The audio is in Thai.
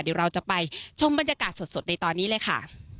เดี๋ยวเราจะไปชมบรรยากาศสดในตอนนี้เลยค่ะ